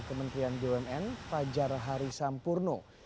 kementerian bumn fajar hari sampurno